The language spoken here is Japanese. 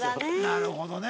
なるほどね。